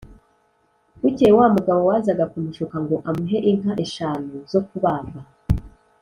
bukeye wa mugabo wazaga kumushuka ngo amuhe inka eshanu zo kubaga